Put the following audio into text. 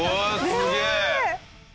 すげえ！